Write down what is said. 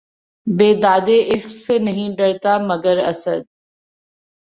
بیدادِ عشق سے نہیں ڈرتا، مگر اسد!